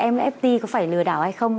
nft có phải lừa đảo hay không